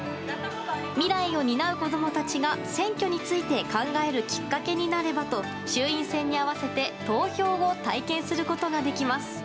未来を担う子供たちが選挙について考えるきっかけになればと衆院選に合わせて投票を体験することができます。